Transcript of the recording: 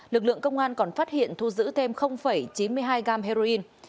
lực lượng công an còn phát hiện thu giữ thêm chín mươi hai gam heroin